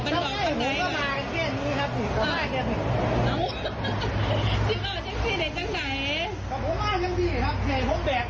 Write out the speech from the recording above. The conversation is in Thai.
ถ้าเกิดทำหักอีกที่ก็ต้องให้รับสุดเชื่ออีกนะครับ